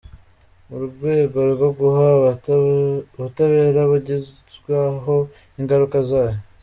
Mu rwego rwo guha ubutabera abagizweho ingaruka zayo.